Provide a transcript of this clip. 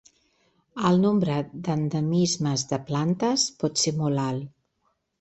El nombre d'endemismes de plantes pot ser molt alt.